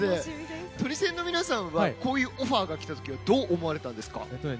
トニセンの皆さんはこういうオファーが来たときどう思われたんですか？